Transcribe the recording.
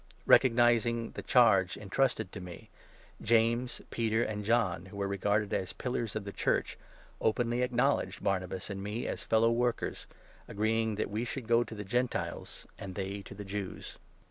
Recognizing 9 the charge entrusted to me, James, Peter, and John, who were regarded as pillars of the Church, openly acknowledged Barnabas and me as fellow workers, agreeing that we should go to the Gentiles, and they to the Jews.